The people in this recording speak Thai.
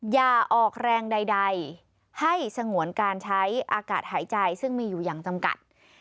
อย่าออกแรงใดให้สงวนการใช้อากาศหายใจซึ่งมีอยู่อย่างจำกัด